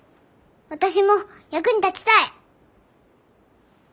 私も役に立ちたい。